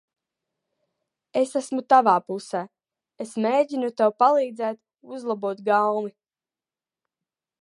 Es esmu tavā pusē. Es mēģinu tev palīdzēt uzlabot gaumi.